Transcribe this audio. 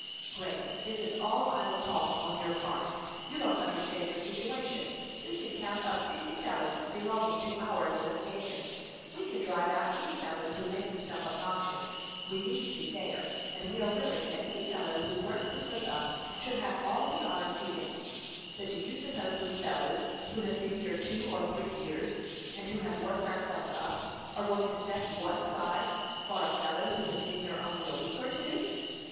"Grant, this is all idle talk on your part. You don't understand your situation. We can count up fifty fellows belonging to our association. We can drive out any fellow who makes himself obnoxious. We mean to be fair, and we are willing that any fellow who works his way up should have all the honors he wins. But do you suppose we fellows, who have been here two or three years, and who have worked ourselves up, are going to step one side for a fellow who has been here only a week or two?"